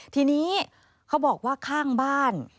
ทีนี้เขาบอกว่าข้างบ้าน